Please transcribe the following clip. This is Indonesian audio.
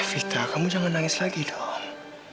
vita kamu jangan nangis lagi dong